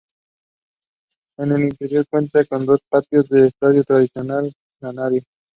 En el interior, cuenta con dos patios de estilo tradicional canario.